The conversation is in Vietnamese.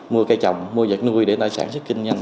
mua cây trồng mua vật nuôi để sản xuất kinh doanh